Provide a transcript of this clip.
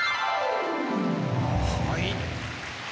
はい。